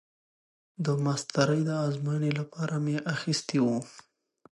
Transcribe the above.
د ماسترۍ د ازموينې لپاره مې اخيستي وو.